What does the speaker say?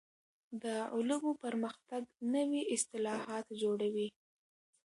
د علومو پرمختګ نوي اصطلاحات جوړوي.